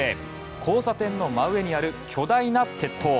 交差点の真上にある巨大な鉄塔。